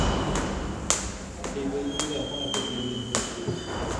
এই বইগুলি এখন একত্রে বের হয়েছে।